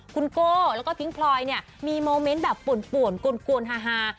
คุณโกแล้วก็พิงพรอยนี่มีโมเม้นต์แบบปวนปวนฮ่า